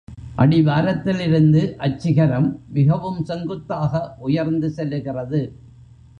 அடி வாரத்திலிருந்து அச்சிகரம் மிகவும் செங்குத்தாக உயர்ந்து செல்லுகிறது.